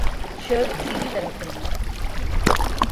shirt سیدھی طرح پہنو